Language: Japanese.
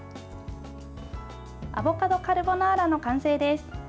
アボカドカルボナーラの完成です。